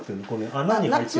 穴に入ってる？